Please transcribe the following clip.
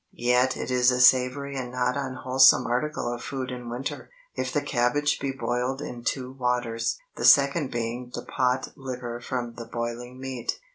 Yet it is a savory and not unwholesome article of food in winter, if the cabbage be boiled in two waters, the second being the "pot liquor" from the boiling meat.